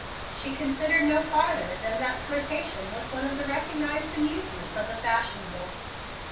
She considered no farther than that flirtation was one of the recognized amusements of the fashionable.